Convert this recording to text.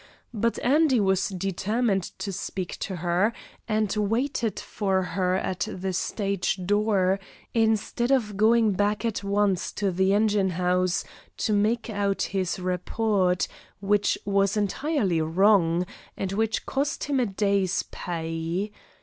But Andy was determined to speak to her, and waited for her at the stage door, instead of going back at once to the engine house to make out his report, which was entirely wrong, and which cost him a day's pay.